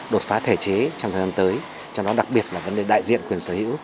đột phá thể chế trong thời gian tới cho nó đặc biệt là vấn đề đại diện quyền sở hữu